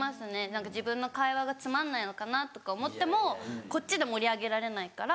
何か自分の会話がつまんないのかなとか思ってもこっちで盛り上げられないから。